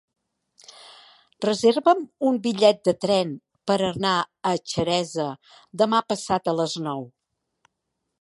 Reserva'm un bitllet de tren per anar a Xeresa demà passat a les nou.